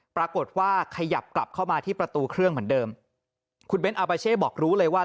ปรากฏว่าขยับกลับเข้ามาที่ประตูเครื่องเหมือนเดิมคุณเบ้นอาบาเช่บอกรู้เลยว่า